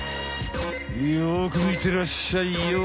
よくみてらっしゃいよ！